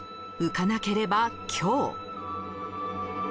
浮かなければ凶。